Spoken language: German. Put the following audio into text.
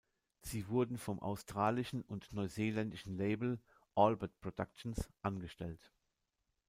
Sie wurden vom australischen und neuseeländischen Label „Albert Productions“ angestellt.